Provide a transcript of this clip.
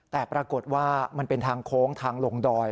แต่ปรากฏว่ามันเป็นทางโค้งทางลงดอย